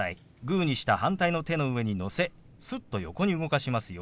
グーにした反対の手の上にのせすっと横に動かしますよ。